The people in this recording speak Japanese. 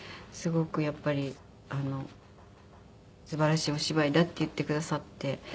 すごくやっぱりあの「素晴らしいお芝居だ」って言ってくださって。